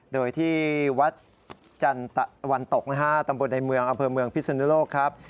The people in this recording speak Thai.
โดยที่วัดจันตะวันตกนะฮะตำบลในเมืองอำเภอเมืองพิศนุโลกครับ